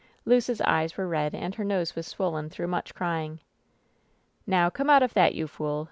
Luce's eyes were red, and her nose was swollen through much crying. "Now, come out of that, you fool!"